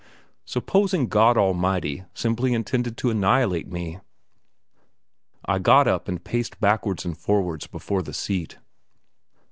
Supposing God Almighty simply intended to annihilate me? I got up and paced backwards and forwards before the seat.